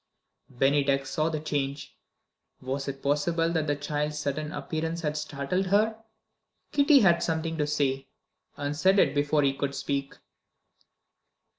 Bennydeck saw the change. Was it possible that the child's sudden appearance had startled her? Kitty had something to say, and said it before he could speak.